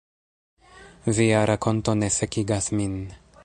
“Via rakonto ne sekigas min.”